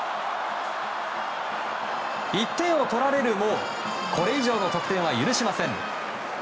１点を取られるもこれ以上の得点は許しません。